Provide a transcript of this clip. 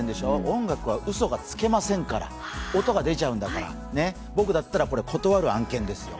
音楽はうそがつけませんから音が出ちゃうんだから、僕だったらこれ、断る案件ですよ。